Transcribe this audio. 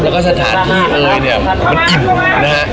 แล้วก็สถานที่เอ๋ยเนี่ยมันอิ่มนะครับ